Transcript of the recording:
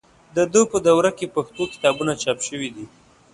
د ده په دوره کې پښتو کتابونه چاپ شوي دي.